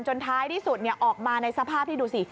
ท้ายที่สุดออกมาในสภาพที่ดูสิ